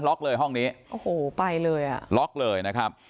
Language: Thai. ล็อกเลยห้องนี้ล็อกเลยนะครับ